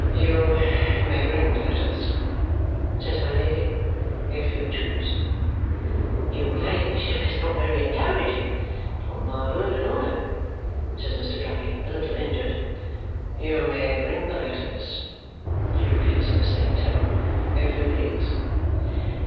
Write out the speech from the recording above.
"You may bring the letters," says my Lady, "if you choose." "Your ladyship is not very encouraging, upon my word and honour," says Mr. Guppy, a little injured. "You may bring the letters," she repeats in the same tone, "if you please."